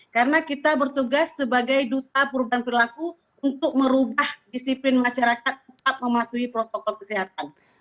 karena kita bertugas sebagai duta perubahan perlaku untuk merubah disiplin masyarakat tetap mematuhi protokol kesehatan